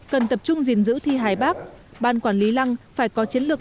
cần tập trung gìn giữ thi hải bác ban quản lý lăng phải có chiến lược